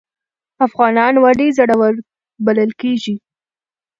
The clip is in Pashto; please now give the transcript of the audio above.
افغانان ولې زړور بلل کیږي؟